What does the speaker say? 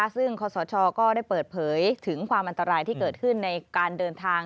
ซึ่งคศก็ได้เปิดเผยถึงความอันตรายที่เกิดขึ้นในการเดินทาง